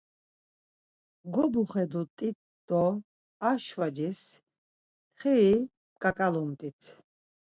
Gobuxedut̆t̆it do ar şvaciz txiri p̌ǩaǩalumt̆it.